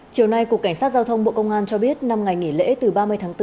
chiều nay cục cảnh sát giao thông bộ công an cho biết năm ngày nghỉ lễ từ ba mươi tháng bốn